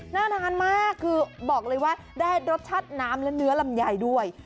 นานมากคือบอกเลยว่าได้รสชาติน้ำและเนื้อลำไยด้วย